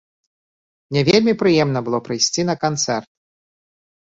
Мне вельмі прыемна было прыйсці на канцэрт.